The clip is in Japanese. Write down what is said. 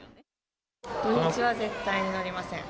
土日は絶対に乗りません！